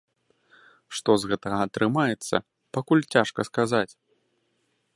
Што з гэтага атрымаецца, пакуль цяжка сказаць.